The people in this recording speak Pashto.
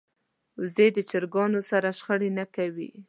وزې د چرګانو سره شخړه نه کوي